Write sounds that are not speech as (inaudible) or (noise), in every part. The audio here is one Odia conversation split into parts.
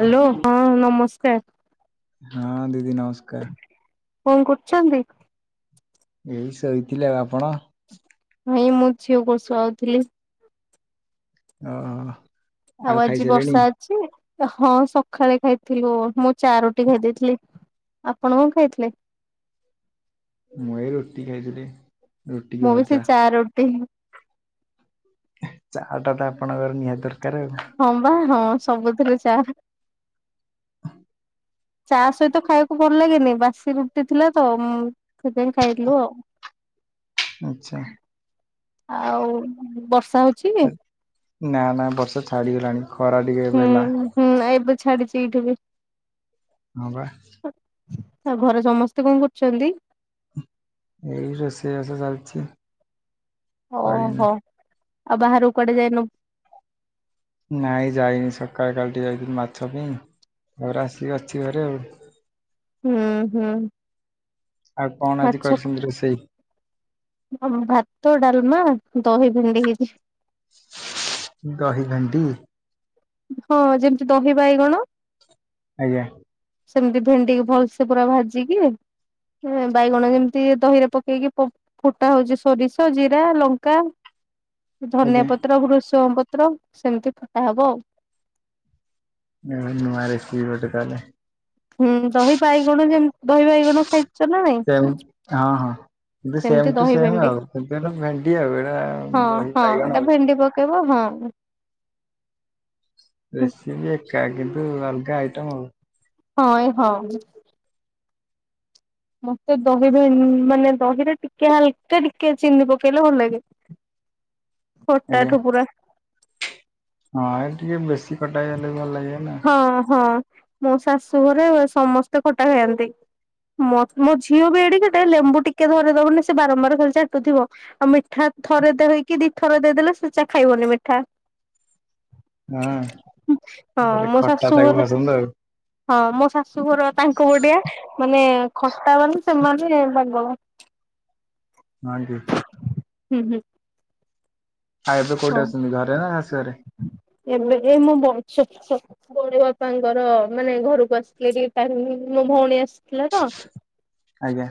ହ୍ୟାଲୋ ହଁ ନମସ୍କାର। ହଁ ଦିଦି ନମସ୍କାର। କଣ କରୁଛନ୍ତି? ଏଇ ଶୋଇଥିଲି ଆଉ ଆପଣ? ଭାଇଁ ମୁଁ ଝିଅ କୁ ଶୁଆଉଥିଲି ଓ ହୋ ଆଉ ଆଜି ବର୍ଷା ଅଛି, ହଁ ସକାଳେ ଖାଇଥିଲୁ ମୁଁ ଚାରୋଟି ଖାଇ ଦେଇେ ଥିଲି। ଆପଣ କଣ ଖାଇଥିଲେ? ମୁଁ ଏଇ ରୁଟି ଖାଇଥିଲି। ରୁଟି କି ମୁଁ ବି ସେ ଭଜା ଚା ରୋଟି ଚା ଟା ତ ଆପଣଙ୍କର ନିହାତି ଦରକାର ଆଉ। ହଁ, ବା ହଁ, ସବୁଥିରେ ଚା ଚା ସହିତ ଖାଇବାକୁ ଭଲ ଲାଗେନି, ବାସି ରୁଟି ଥିଲା ତ ସେଥିାଇଁ ଖାଇଥିଲୁ ଆଉ। ଆଚ୍ଛା। ଆଉ ବର୍ଷା ହଉଛି? ନା, ନା ବର୍ଷା ଛାଡ଼ିଗଲାଣି ଖରା ଟିକେ ହୁଁ ଏବେ ହେଲା। ହୁଁ, ଏବେ ଛାଡିଛି ଏଇଠି ବି ହଁ, ବା ତା ଘରେ ସମସ୍ତେ କଣ କରୁଛନ୍ତି? ଏଇ ରୋଷେଇ ବାସ ଚାଲିଛି। ସରିନି ଓହୋ ଆଉ ବାହାରକୁ କୁଆଡେ ଯାଇନୁ। ନାଇଁ ଯାଇନି ସକାଳେ କାଲି ଟିକେ ଯାଇକି ମାଛ ପାଇଁ, ତାପରେ ଆସି ଅଛି ଘରେ ଆଉ। ହୁଁ, ହୁଁ ଆଉ କଣ ଆଜି ମାଛ କରିଛନ୍ତି ରୋଷେଇ? ଭାତ, ଡାଲମା, ଦହି ଭେଣ୍ଡି ହେଇଛି। ଦହି ଭେଣ୍ଡି ହଁ, ଯେମିତି ଦହି ବାଇଗଣ ଆଜ୍ଞା ସେମିତି ଭେଣ୍ଡି କି ଭଲ୍ ସେ ପୁରା ଭାଜିକି ବାଇଗଣ ଯେମିତି ଦହିରେ ପକେଇକି ଫୁ ଫୁଟା ହଉଛି ସୋରିଷ, ଜିରା, ଲଙ୍କା ଧନିଆ ଆଜ୍ଞା ପତ୍ର, ଭୃସମ ପତ୍ର ସେମିତି ଫୁଟା ହବ ଆଉ ଯାହା ହେଉ ନୂଆ ରେସିପି ଗୋଟେ ତାହଲେ ହୁଁ, ଦହି ବାଇଗଣ ଯେମତି ଦହି ବାଇଗଣ ଖାଇଛ ନା ନାଇଁ? ହଁ, ହଁ ଏତି ସେମ ସେମିତି ଟୁ ଦହି ସେମ ଭେଣ୍ଡି ଆଉ ଭେଣ୍ଡି ଆଉ ଏଇଟା ଦହି ବାଇଗଣ ଆଉ। କେବ ହଁ (inaudible) ରେସିପି ଏକା କିନ୍ତୁ ଅଲଗା ଆଇଟମ ଆଉ। ହଁ ହଁ ମତେ ଦହିରେ ମାନେ ଦହିରେ ଟିକେ ହାଲକା ଟିକେ ଚିନି ପକେଇଲେ ଭଲ ଲାଗେ। ଖୋଟା ଆଜ୍ଞା। ଠୁ ପୁରା ହଁ ଏ ଟିକେ ବେଶୀ କଟା ହେଲେ ବି ଭଲ ଲାଗେ ନା ହଁ ହଁ ମୋ ଶାଶୁଘରେ ସମସ୍ତେ ଖଟା ଖଆନ୍ତି। ମୋ ଝିଅ ବି ଏଡ଼ିକିଟେ ଲେମ୍ବୁ ଟିକେ ଧରିଦବନି ସେ ବାରମ୍ବାର ଖାଲି ଚାଟୁଥିବ। ଆଉ ମିଠା ଥରେ ଦେଇ ହେଇକି ଦି ଥରେ ଦେଇଦେଲେ ସେଚା ଖାଇବନି ମିଠା। ହଁ ମୁଁ ହଁ କହିଲି ମୋ ଶାଶୁ ଖଟା ଘର ଟାକୁ ଭାସନ୍ତୁ ଆଉ (inaudible) ହଁ ମୋ ଶାଶୁଘର ତାଙ୍କୁ ପଟିଆ ମାନେ ଖଟା ମାନେ ସେମାନେ ପାଗଳ। ହଁ ଅଣ୍ଟି। ହୁଁ, ହୁଁ। ଆଉ ଏବେ କୋଉଠି ହଉ ଅଛନ୍ତି, ଘରେ ନା ଶାଶୁ ଘରେ? ଏବେ ଏ ମୁଁ ବଞ୍ଚିଛି। ପଢ଼ିବା ପାଇଁ ତାଙ୍କର ଭଉଣୀ ବାପାଙ୍କର ମାନେ ଘରକୁ ଆସିଥିଲେ କି ମୋ ଭଉଣୀ ଆସିଥିଲା ତ ଆଜ୍ଞା।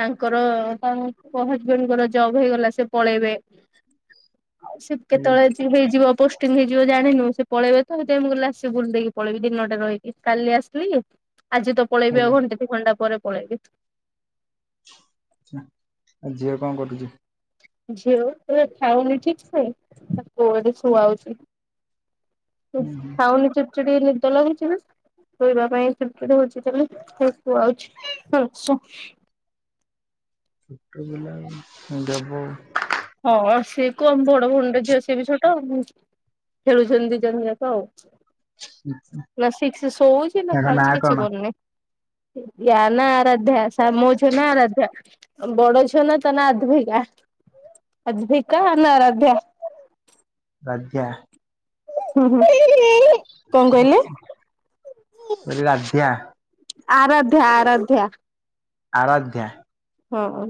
ତାଙ୍କର ତାଙ୍କ ହଜବେଣ୍ଡଙ୍କର ଜବ୍ ହେଇଗଲା ସେ ପଳେଇବେ। ଆଉ ଶିପ ଆଜ୍ଞା କେତେବେଳେ ହେଇଯିବ ପୋଷ୍ଟିଂ ହେଇ ଜୀବ ଜାଣିନୁ ସେ ପଳେଇବେ ତ ସେଇଥି ପାଇଁ, ତ ମୁଁ କହିଲି ଆସି ବୁଲି ଦେଇକି ପଳେଇବି ଦିନ ଟା ରହିକି କାଲି ଆସି ଥିଲି, ଆଜି ତ ପଳେଇବି ଆଜ୍ଞା ଆଉ ଘଣ୍ଟେ ଦି ଘଣ୍ଟା ପରେ ପଳେଇବି। ହୁଁ, ଆଉ ଝିଅ କଣ କରୁଛି? ଝିଅ ଉଠିଲେ ଖାଉନି ଠିକ୍ ସେ ତାକୁ ଆଡେ ଶୁଆଉଛି। ଉଁ ହୁଁ ଖାଉନି ଚୁଡ଼ାଚୁଡି ନିଦ ଲାଗୁଛି। ଶୋଇବା ପାଇଁ ଚିଡି ଚିଡି ହଉଛି ଖାଲି ଶୋଉଛି। ଛୋଟ ପିଲା ହଁ ସିଏ କୁ ଆମ ବଡ ଭଉଣରେ ଝିଅ ସିଏ ବି ଛୋଟ। ଖେଳୁଛନ୍ତି ଦି ଜଣ ଜାକ ଆଉ। ନା ଶିକ ଶଉଛି ନା ତାଙ୍କ ନାଁ ଖାଉଛି କିଛି କଣ? କରୁନି। ୟାନ ଆରାଧ୍ୟା ସ ମୋ ଝିଅ ନା ଆରାଧ୍ୟ ବଡ ଝିଅ ନା ଆଧଗ ଆଧିରିକା ନା ଆରାଧ୍ୟା? ଆରାଧ୍ୟା। ହୁଁ ହୁଁ କଣ କହିଲେ? ମୁଁ କହିଲି ରାଧ୍ୟା। ଆରାଧ୍ୟ ଆରାଧ୍ୟା। ଆରାଧ୍ୟା। ହଁ।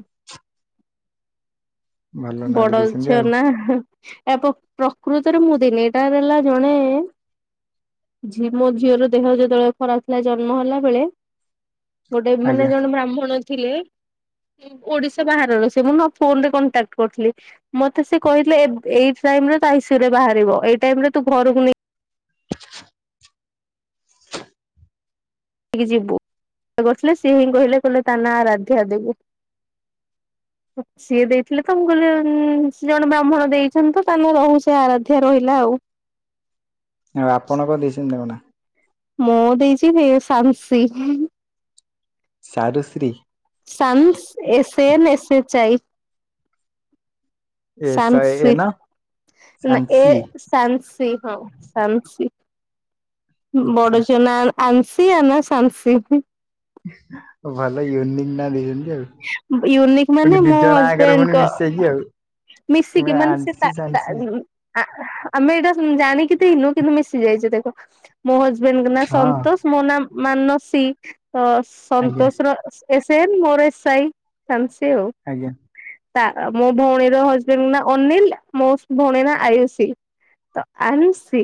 ଭଲ ନାଁଟେ ବଡଲ ଦେଇଛନ୍ତି ଝିଅ ଆଉ ନା ଏ ପ୍ରକୃତରେ ମୁଁ ଦି ତିନିଟା ହେଲା ଜଣେ ମୋ ଝିଅର ଦେହ ଯେତେବେଳେ ଖରାପ ଥିଲା ଜନ୍ମ ହେଲା ବେଳେ ଗୋଟେ ମାନେ ଆଜ୍ଞା। ଜଣେ ବ୍ରାହ୍ମଣ ଅ ଥିଲେ ଓଡିଶା ବାହାରର ସେ ମୁଁ ନ ଫୋନରେ କଣ୍ଟାକ୍ଟ ମତେ ସେ କହିଥିଲେ ଏଇ ଟାଇମରେ ବାହାର ଏଇ ଟାଇମରେ ତୁ ଘରକୁ ନେଇ ଯିବୁ କରିଥିଲେ ସିଏ ହିଁ କହିଲେ କହିଲେ ତା ନା ଆରାଧ୍ୟା ଦବୁ। ସିଏ ଦେଇଥିଲେ ତ ମୁଁ କହିଲି ସେ ଜଣେ ବ୍ରାହ୍ମଣ ଦେଇଛନ୍ତି ତ ତା ନ ରହିଲା ସେ ଆରାଧ୍ୟା ରହିଲା ଆଉ। ଆଉ ଆପଣ କଣ ଦେଇଛନ୍ତି ତାଙ୍କ ନାଁ? ମୁଁ ଦେଇଛି ସାମଶି। ସାରଶ୍ରୀ। ସନ୍ ଏସନ୍ ଏଏଚଆଇ। ଏ ଶହେ ଏନ ସାମଶିକ ନା ଶାନ୍ସି ଏ ସାନସି ହଁ ସାନ୍ସି ଆଛା ବଡ ଝିଅ ନାଁ ଆଂସି ଆ ନା ସାନସିଂ। ଭଲ ୟୁନିକି ନା ଦେଇଛନ୍ତି ଆଉ। ୟୁନିକ୍ ପୁଣି ମାନେ ଦି ମୋ ଜଣ ଆଗରେ ପୁଣି ହଜବେଣ୍ଡଙ୍କ ମିଶେଇକି ଆଉ ମିଶିକି ମାନେ ସେ ଆନ୍ସି ସାନ୍ସି ଆ ଆମେ ଏଇଟା ଜାଣିକି ଦେଇନୁ କିନ୍ତୁ ମିଶି ଯାଇଛି ଦେଖ। ମୋ ହଜବେଣ୍ଡଙ୍କ ନାଁ ହଁ ସନ୍ତୋଷ। ମୋ ନାଁ ମାନସୀ ଆଜ୍ଞା ସନ୍ତୋଷ ର ଏସ ଏନ ମୋର ଏସ ଆଇ ଆଉ ଚାଲିଛି ଆଉ। ଆଜ୍ଞା। ମୋ ଭଉଣୀର ହଜବେଣ୍ଡଙ୍କ ନାଁ ଅନିଲ ମୋ ଭଉଣୀ ନାଁ ଆୟୁଷୀ। ତ ଆନସି।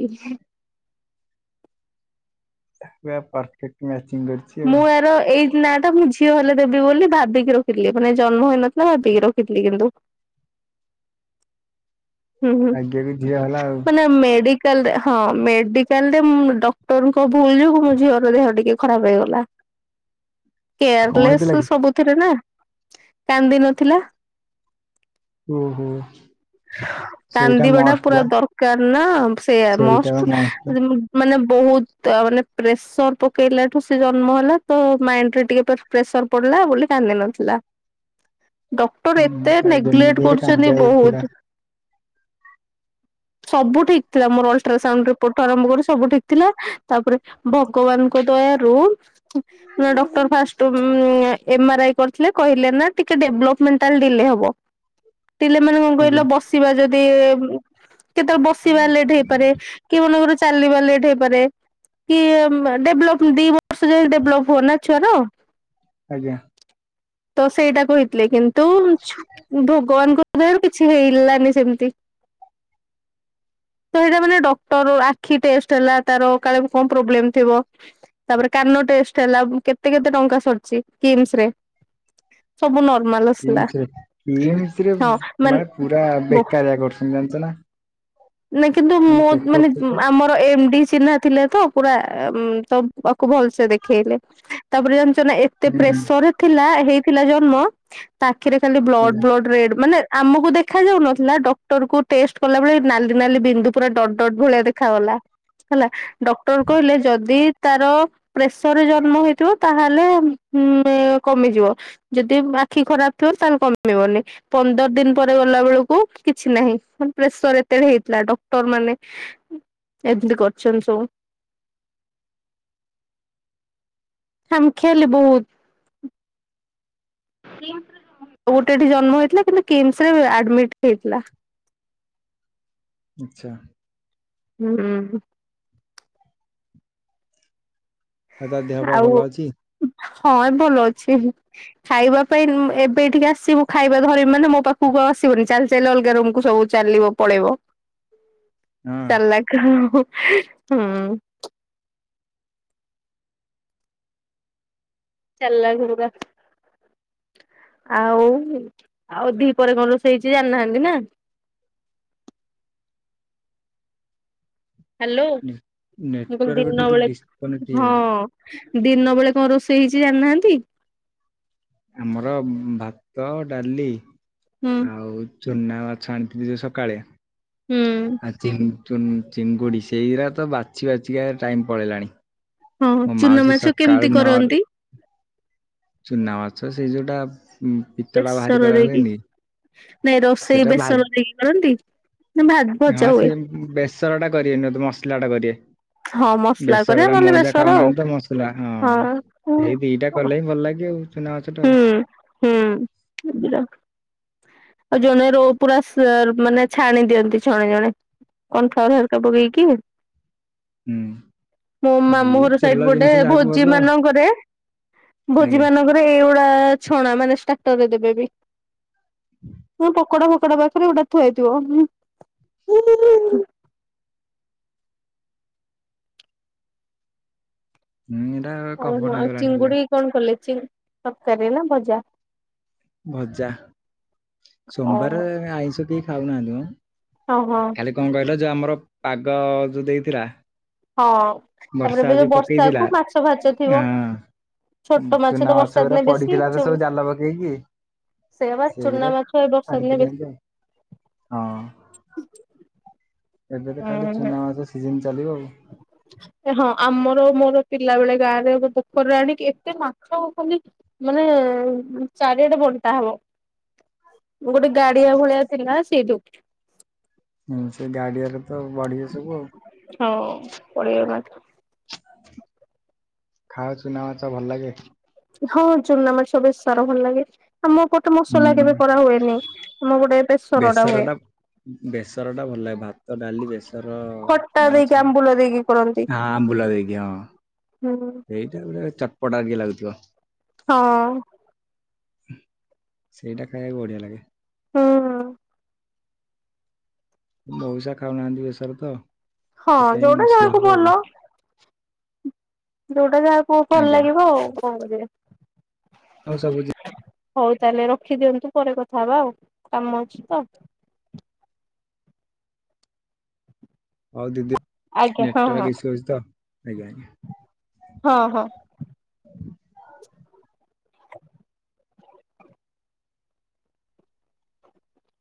ପରଫେକ୍ଟ ମ୍ୟାଚିଂ କରି ମୁଁ ଆର ଏଇ ନା ତ ମୁଁ ଝିଅ ହେଲେ ଦେବି ବୋଲି ଭାବିକି ରଖିଥିଲି ମାନେ ଜନ୍ମ ହେଇନଥିଲା ଭାବିକି ରଖିଥିଲି କିନ୍ତୁ। ହୁଁ ହୁଁ ଆଜ୍ଞାକୁ ଝିଅ ହେଲା ଆଉ ମାନେ ମେଡିକ୍ କାଲରେ ହଁ ମେଡିକାଲ ରେ ଡକ୍ଟରଙ୍କ ଭୁଲ ଯୋଗୁଁ ମୋ ଝିଅର ଦେହ ଟିକେ ଖରାପ୍ ହେଇଗଲା। କଣ କେୟାର ହେଇଥିଲା କି ଲେସ୍ ଥିରେ ନା କାନ୍ଦି ନଥିଲା। ଓ ହୋ। କାନ୍ଦିବା ଟା ପୁରା ଦରକାର ନା ସେୟା ସେଇଟା ବା ମଷ୍ଟ ମାନେ ବହୁତ ମାନେ ପ୍ରେସର ପକେଇଲା ଠୁ ସେ ଜନ୍ମ ହେଲା ତ ମାଇଣ୍ଡ ରେ ଟିକେ ପ୍ରେସର ପଡିଲା ବୋଲି କାନ୍ଦିିନଥିଲା। ଡକ୍ଟର ହୁଁ ଏତେ ଆଉ ଯେମିତି ନେଗଲେକ୍ଟ ହେଲେ କରୁଛନ୍ତି କାନ୍ଦିବାକୁ ଥିଲା ବହୁତ। ସବୁ ଠିକ ଥିଲା ମୋର ଅଲଟ୍ରାସାଉଣ୍ଡ ରିପୋର୍ଟ ଠୁ ଆରମ୍ଭ କରି ସବୁ ଠିକ ଥିଲା ତାପରେ ଭଗବାନଙ୍କ ଦ୍ଵୟାରୁ ନା, ଡକ୍ଟର ଫାଷ୍ଟ ଏମେଆରଆଇ କରିଥିଲେ। କହିଲେ ନା ଟିକେ ଡେଭଲପମେଣ୍ଟାଲ ଡିଲେ ହବ। ଡିଲେ ମାନେ କଣ କହିଲ ଆଜ୍ଞା ବସିବା ଯଦି କେତେ ବେଳେ ବସିବା ଲେଟ୍ ହେଇପାରେ କି ମନେକର ଚାଲିବା ଲେଟ ହେଇପାରେ। କି ଡେଭଲପ ଦି ବର୍ଷ ଯାଏ ଡେଭଲପ ହୁଏନା ଛୁଆର। ଆଜ୍ଞା। ତ ସେଇଟା କହିଥିଲେ କିନ୍ତୁ ମିଛ। ଭଗବାନଙ୍କ ଦୟାରୁ କିଛି ହେଲା ସେମିତି ସେଇଟା ମାନେ ଡକ୍ଟର ଆଖି ଟେଷ୍ଟ ହେଲା ତାର କାଳେ କଣ ପ୍ରୋବଲେମ ଥିବ। ତାପରେ କାନ ଟେଷ୍ଟ ହେଲା କେତେ କେତେ ଟଙ୍କା ସରିଛି କିମ୍ସ ରେ। ସବୁ ନର୍ମାଲ। ଆସିଲା କିମ୍ସରେ କିମ୍ସରେ ମାନେ ପୁରା ବେକାରିଆ କରୁଛନ୍ତି ଜାଣିଛ ନା। ନା କିନ୍ତୁ ମୁଁ ଚେକଅପ ମାନେ ଫେକଅପ ଆମର ଏମଡି ଚିହ୍ନା ଥିଲେ ତ ପୁରା ତ ଆକୁ ଭଲସେ ଦେଖେଇଲେ। ତାପରେ ଜାଣିଛ ନା ଏତେ ହୁଁ ପ୍ରେସର ଥିଲା ହେଇଥିଲା ଜନ୍ମ ତାଆଖିରେ ଖାଲି ବ୍ଲଡ ଆଜ୍ଞା ବ୍ଲଡ ରେଡ୍ ମାନେ ଆମକୁ ଦେଖା ଯାଉନ ଥିଲା ଡକ୍ଟର କୁ ଟେଷ୍ଟ କଲା ବେଳେ ନାଲି ନାଲି ବିନ୍ଦୁ ପୁରା ଡଟ ଡଟ ଭଳିଆ ଦେଖାାଗଲା। ହେଲା ଡକ୍ଟର କହିଲେ ଯଦି ତାର ପ୍ରେସରରେ ଜନ୍ମ ହେଇଥିବ ତାହେଲେ କମିଯିବ। ଯଦି ଆଖି ଖରାପ ଥିବ ତାହେଲେ କମିବନି ପନ୍ଦର ଦିନ ପରେ ଗଲା ବେଳକୁ କିଛି ନାହିଁ ମାନେ ପ୍ରେସର ଏତେ ହେଇଥିଲା। ଡକ୍ଟର ମାନେ ଏମିତି କରିଛନ୍ତି ସବୁ। ଖାମଖିଆଲି ବହୁତ। ଗୋଟେଠି ଜନ୍ମ ହେଇଥିଲା କିନ୍ତୁ କିମସ୍ ରେ ଆଡମିଟ ହେଇଥିଲା। ଆଚ୍ଛା। ହୁଁ। ଆଉ ତାର ଦେହ ପା ଆଉ ଭଲ ଅଛି। ହଁ ଭଲ ଅଛି। ଖାଇବା ପାଇଁ ଏବେ ଏଠିକି ଆସିବୁ ଖାଇବା ଧରିଇବି ମାନେ ମୋ ପାଖକୁ ଆଉ ଆସିବନି ଚାଲି ଚାଲି ଅଲଗା ରୁମକୁ ସବୁ ଚାଲିବ ପଳେଇବ ହଁ ଚାଲାଖ ହୁଁ। ଚାଲାଖ ପୁରା। ଆଉ ଆଉ ଦି ପହର ରେ କଣ ରୋଷେଇ ହେଇଛି ଜାଣିନାହାନ୍ତି ନା। ହ୍ୟାଲୋ ନେ- ମୁଁ କହିଲି ନେଟୱାର୍କ ଦିନ ଟିକେ ବେଳେ ଡିସକନେକ୍ଟ ହେଇଯାଉଛି। ହଁ। ଦିନ ବେଳେ କଣ ରୋଷେଇ ହେଇଛି ଜାଣିନାହାନ୍ତି? ଆମର ଭାତ ଡାଲି ହୁଁ। ଆଉ ଚୁନା ମାଛ ଆଣିଥିଲି ସକାଳେ ହୁଁ ଆଜି ଚିଙ୍ଗୁଡି ସେଇଗାରା ତ ବାଛି ବାଛିକା ଟାଇମ ପଳେଇଲାଣି। ହଁ ମୋ ଚୁନା ମାଉସୀ ମାଛ କେମିତି ସକାଳୁ ନରୁ କରନ୍ତି? ଚୁନା ମାଛ ସେଇ ଯୋଉଟା ପିତଳା ବାହାରି ବେସର କରା ଦେଇକି ହୁଏନି ନାଇଁ ରୋଷେଇ ସେଟା ଭା ବେସର ଦେଇକି କରନ୍ତି? ନା ଭାତ ଭଜା ହଁ ହୁଏ ସେ ବେସର ଟା କରିବେନ ମସଲା ଟା କରିବେ। ହଁ ମସଲା କରେ ବେସର ଟା ନହେଲେ ମଉସା ବେସର ଖାଉନାହାନ୍ତି ତ ମସଲା ହଁ। ଆଉ ହଁ। ସେଇ ଦିଟା କଲେ ହିଁ ଭଲ ଲାଗେ ଆଉ ଚୁନା ମାଛ ଟା ଆଉ। ହୁଁ ହୁଁ (unintelligible) ଆଉ ଜଣେ ରୋ ପୁରା ମାନେ ଛାଣି ଦିଅନ୍ତି ଜଣେ ଜଣେ। କର୍ନଫ୍ଲର୍ ହେରିକା ପକେଇକି। ହୁଁ। ମୋ ମାମୁଁ ଯିଏ ଘର ସାଇଡ ତେଲ ପଟେ ଜିନିଷ ଯାହାକୁ ଭୋଜି ଭଲ ମାନଙ୍କରେ ଆଜ୍ଞା ଭୋଜି ମାନଙ୍କରେ ଏଇଗୁଡ଼ା ଛଣା ମାନେ ଷ୍ଟାଟସ୍ ଦେବେ ବି। (inaudible) ହଁ ପକୋଡ଼ା ଫକୋଡ଼ା ପାଖରୁ ହୁଁ ହେଟା ଓ ହୋ ଚିଙ୍ଗୁଡ଼ି କଣ କଲେ ତରକାରୀ ରେ ନା ଭଜା? ଭଜା ଓହୋ ସୋମବାର ଆଇଁଷ କେହି ଖାଉନାହାନ୍ତ ମ ଓ ହୋ। କାଲି କଣ କହିଲ ଯଉଁ ଆମର ପାଗ ଯଉଁ ଦେଇଥିଲା। ହଁ ତାପରେ ବର୍ଷା ଏବେ ଯୋଉ ପକେଇଥିଲା ବର୍ଷାକୁ ମାଛ ଫାଚ ଥିବ। ହଁ ଛୋଟ ମାଛ ଚୁନା ତ ବର୍ଷା ଗୁରା ଦିନେ ବେଶୀ ପଡିଥିଲା ତ ଚ ସବୁ ଜାଲ ପକେଇକି ସେଇଆ ବା ଚୁନା ସେଗୁରା ମାଛ ଏ ବର୍ଷା ଦିନେ ଆଣିଥିଲି ଆଣିକି ବେଶୀ ଆଉ ହଁ। ଏବେ ତ ଖାଲି ହୁଁ। ଚୁନା ମାସ ସିଜିନ୍ ଚାଲିବ ଆଉ। ହଁ ଆମର ମୋର ପିଲା ବେଳେ ଗାଁରେ ପୋଖରରେ ଆଣିକି ଏତେ ମାଛ ଖାଲି ମାନେ ଚାରିଆଡ଼େ ବଣ୍ଟା ହବ। ଗୋଟେ ଗାଡ଼ିଆ ଭଳିଆ ଥିଲା ସେଇଠି। ହୁଁ ସେ ଗାଡ଼ିଆରେ ତ ବଢ଼ିବେ ସବୁ ଆଉ। ହଁ ପଢ଼ିବା ନା ଖାଉ ଚୁନା ମାଛ ଭଲ ଲାଗେ। ହଁ ଚୁନା ମାଛ ବେସର ଭଲ ଲାଗେ ଆମ ପଟେ ମସଲା କେବେ କରା ହୁଏନି ମୁଁ ଗୋଟେ ଏବେ ବେସର ଟା ବେସର ଟା ଭଲ ଲାଗେ ଭାତ ଡାଲି ବେସର ଖଟା ଦେଇକି ଆମ୍ବୁଲ ଦେଇକି କରନ୍ତି। ନାଁ ଆମ୍ବୁଲ ଦେଇକି ହଁ। ହୁଁ। ଏଇଟା ଗୋଟେ ଚଟପଟା ଇଏ ଲାଗୁଥିବ। ହଁ। ସେଇଟା ଖାଇବାକୁ ବଢ଼ିଆ ଲାଗେ। ହଁ। ମଉସା ଖାଉନାହାନ୍ତି ବସର ତ। ହଁ ସେଥିପାଇଁ ଯୋଉଟା ମସଲା ଯାହାକୁ ହବ ଆଉ ଭଲ ଯୋଉଟା ଯାହାକୁ ଭଲ ଆଜ୍ଞା ଲାଗିବ ଆଉ କଣ କରିବେ। ଆଉ ହଉ ସବୁ ହଉ ତାହେଲେ ରଖିଦିଅନ୍ତୁ ପରେ କଥା ହବା ଆଉ କାମ ଅଛି ତ ହଉ ଦିଦି ଆଜ୍ଞା ହଁ ହଁ ନେଟୱର୍କ୍ ଇସୁ ଅଛି ତ ଆଜ୍ଞା ଆଜ୍ଞା। ହଁ ହଁ। (inaudible)